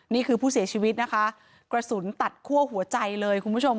นี่คือผู้เสียชีวิตนะคะกระสุนตัดคั่วหัวใจเลยคุณผู้ชม